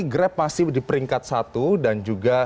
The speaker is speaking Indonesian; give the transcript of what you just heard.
grab masih di peringkat satu dan juga